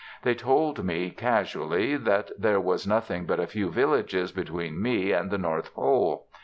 They told me, casually, that there was nothing but a few villages between me and the North Pole.